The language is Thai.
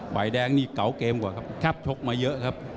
ฝ่ายแดงนี่เก๋าเกมกว่าครับชับชกมาเยอะครับ